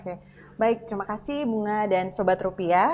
oke baik terima kasih bunga dan sobat rupiah